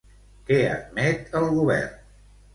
Què admet el Govern?